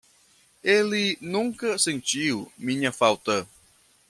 Ele nunca sentiu minha falta